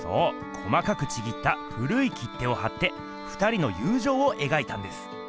細かくちぎった古い切手を貼って２人のゆうじょうをえがいたんです。